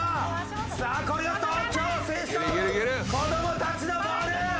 さあこれが東京を制した子供たちのボール。